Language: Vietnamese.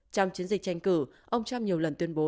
trong chiến dịch tranh cử ông trump nhiều lần tuyên bố